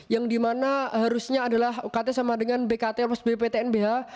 yang dimana harusnya adalah ukt sama dengan bkt harus bptnbh